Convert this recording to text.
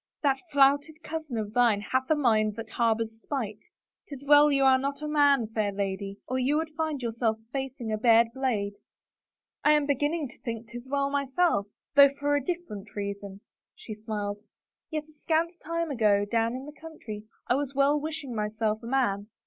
" That flouted cousin of thine hath a mind that harbors spite. 'Tis well you are not a man, fair lady, or you would find yourself facing a bared blade." " I am beginning to think 'tis well myself — though for 52 A DANCE WITH A KING a different reason," she smiled. " Yet a scant time ago, down in the country, I was well wishing myself a man."